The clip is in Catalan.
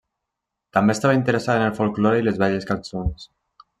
També estava interessada en el folklore i les velles cançons.